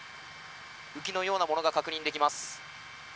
浮きのようなものが確認できます。